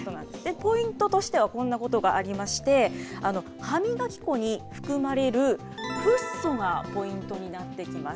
ポイントとしてはこんなことがありまして、歯磨き粉に含まれる、フッ素がポイントになってきます。